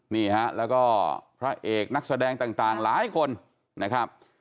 นี่ฮะแล้วก็พระเอกนักแสดงต่างหลายคนนะครับ